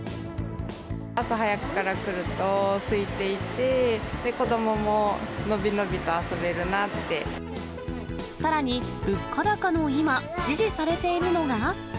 朝早くから来るとすいていて、さらに、物価高の今、支持されているのが。